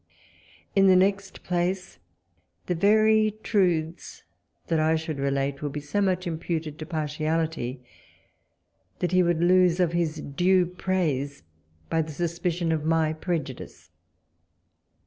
In the next place, the very truths that I should relate would be so much imputed to partiality, that he would lose of his due praise by the suspicion of my prejudice.